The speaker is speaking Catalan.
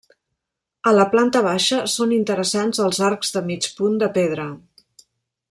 A la planta baixa són interessants els arcs de mig punt de pedra.